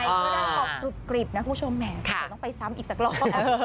เพราะฉะนั้นขอปรุดกรีบนะคุณผู้ชมแม่ไม่ต้องไปซ้ำอีกสักรอบ